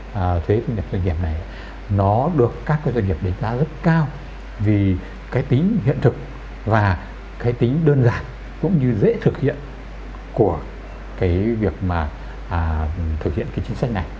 và thuế thu nhập doanh nghiệp này nó được các doanh nghiệp đánh giá rất cao vì cái tính hiện thực và cái tính đơn giản cũng như dễ thực hiện của cái việc mà thực hiện cái chính sách này